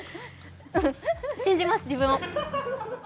信じます、自分を！